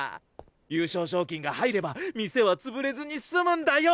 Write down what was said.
優勝賞金が入れば店は潰れずに済むんだよ！